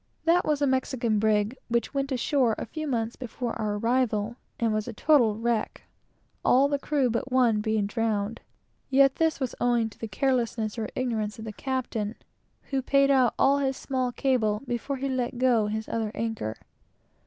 That was a Mexican brig, which went ashore a few months before our arrival, and was a total wreck, all the crew but one being drowned. Yet this was from the carelessness or ignorance of the captain, who paid out all his small cable before he let go his other anchor.